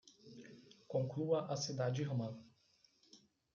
Conclua a cidade-irmã